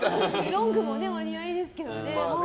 ロングもお似合いですけどね。